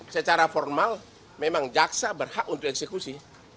secara formal memang jaksa berhak untuk eksekusi